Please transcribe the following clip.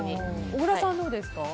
小倉さん、どうですか？